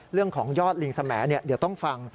เรื่องของยอดลิงสมแหมเดี๋ยวต้องฟัง